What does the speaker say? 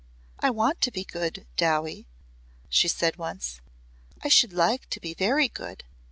"I want to be good, Dowie," she said once. "I should like to be very good.